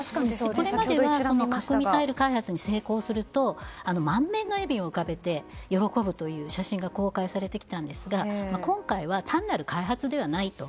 これまでは核・ミサイル開発に成功すると満面の笑みを浮かべて喜ぶという写真が公開されてきたんですが今回は単なる開発ではないと。